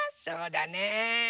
そうだね。